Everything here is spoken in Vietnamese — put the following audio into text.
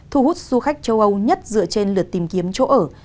thu hút du khách châu âu nhất dựa trên lượt tìm kiếm chỗ ở